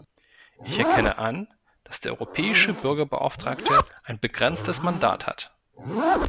Ich erkenne an, dass der Europäische Bürgerbeauftragte ein begrenztes Mandat hat.